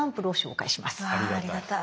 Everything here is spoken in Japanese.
ありがたい。